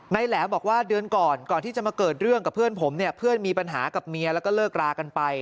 แหลมบอกว่าเดือนก่อนก่อนที่จะมาเกิดเรื่องกับเพื่อนผมเนี่ยเพื่อนมีปัญหากับเมียแล้วก็เลิกรากันไป